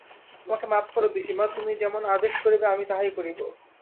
আমাকে মাপ করো পিসিমা, তুমি যেমন আদেশ করিবে আমি তাহাই করিব।